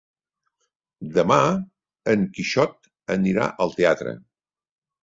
Demà en Quixot anirà al teatre.